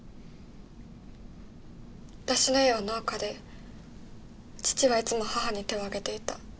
私の家は農家で父はいつも母に手をあげていた。